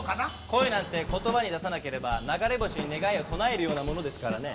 恋なんて言葉に出さなければ流れ星に願いを唱えるようなものですからね。